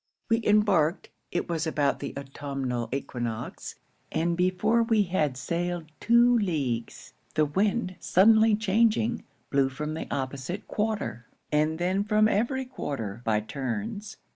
'We embarked It was about the autumnal equinox; and before we had sailed two leagues, the wind suddenly changing, blew from the opposite quarter, and then from every quarter by turns.